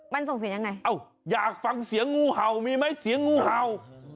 มันส่งเสียงยังไงเอ้าอยากฟังเสียงงูเห่ามีไหมเสียงงูเห่า